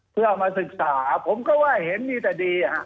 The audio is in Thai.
เพื่อเอามาศึกษาผมก็ว่าเห็นมีแต่ดี